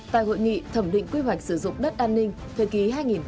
tại hội nghị thẩm định quy hoạch sử dụng đất an ninh thời ký hai nghìn hai mươi